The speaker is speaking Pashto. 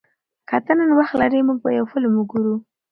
که ته نن وخت لرې، موږ به یو فلم وګورو.